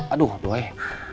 aduh aduh eh